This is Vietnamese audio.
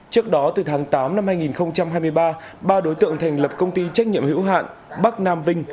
trước đó từ tháng tám năm hai nghìn hai mươi ba ba đối tượng thành lập công ty trách nhiệm hữu hạn bắc nam vinh